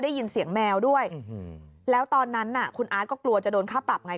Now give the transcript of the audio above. ได้ยินเสียงแมวด้วยแล้วตอนนั้นน่ะคุณอาร์ตก็กลัวจะโดนค่าปรับไง